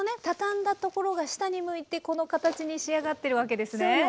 畳んだところが下に向いてこの形に仕上がってるわけですね。